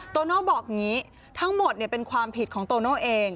โตโน่บอกงี้ทั้งหมดเนี่ยเป็นความผิดของโตโน่เอง